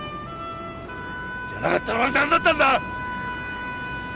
じゃなかったら俺は何だったんだ！